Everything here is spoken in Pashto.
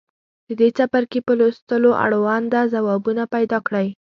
د دې څپرکي په لوستلو اړونده ځوابونه پیداکړئ.